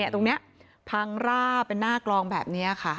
ตรงนี้พังร่าเป็นหน้ากลองแบบนี้ค่ะ